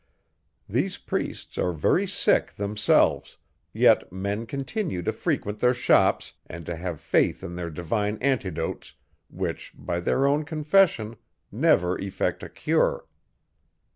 These priests are very sick themselves, yet men continue to frequent their shops, and to have faith in their divine antidotes, which, by their own confession, never effect a cure!